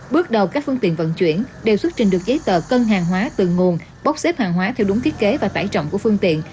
bước đầu các phương tiện vận chuyển đều xuất trình được giấy tờ cân hàng hóa từ nguồn bốc xếp hàng hóa theo đúng thiết kế và tải trọng của phương tiện